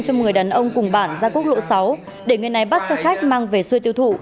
cho một người đàn ông cùng bản ra quốc lộ sáu để người này bắt xe khách mang về xuôi tiêu thụ